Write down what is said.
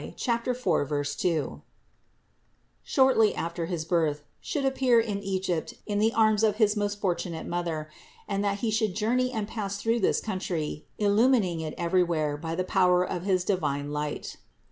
4, 2), shortly after his birth, should appear in Egypt in the arms of his most fortunate Mother, and that He should journey and pass through this country, illumining it everywhere by the power of his divine light.